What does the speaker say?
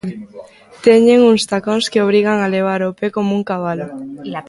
Teñen uns tacóns que obrigan a levar o pé como un cabalo.